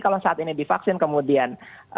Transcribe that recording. kalau saat ini divaksin kemudian